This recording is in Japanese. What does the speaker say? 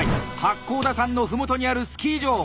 八甲田山の麓にあるスキー場。